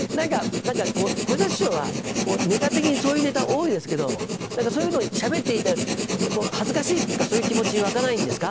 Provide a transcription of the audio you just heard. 小遊三師匠はネタ的にそういうネタ多いですけどそういうのしゃべっていて恥ずかしいっていうかそういう気持ち湧かないんですか？